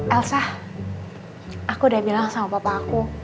elsa aku udah bilang sama papa aku